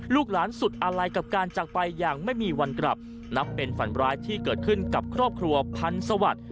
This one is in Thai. ลูกหลานสุดอะไรกับการจากไปอย่างไม่มีวันกลับนับเป็นฝันร้ายที่เกิดขึ้นกับครอบครัวพันธ์สวัสดิ์